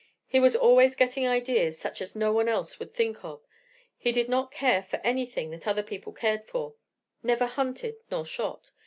He was always getting ideas such as no one else would think of; he did not care for anything that other people cared for; never hunted nor shot.